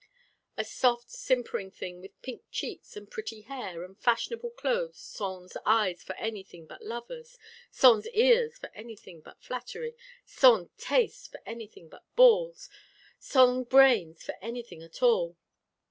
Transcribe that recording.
a soft simpering thing with pink cheeks, and pretty hair, and fashionable clothes sans eyes for anything but lovers_ sans_ ears for anything but flattery sans taste for anything but balls_ sans_ brains for anything at all!